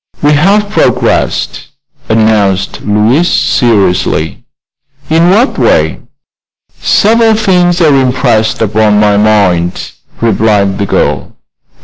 "We have progressed," announced Louise, seriously. "In what way?" "Several things are impressed upon my mind," replied the girl.